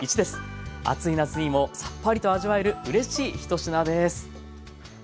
暑い夏にもサッパリと味わえるうれしい１品です。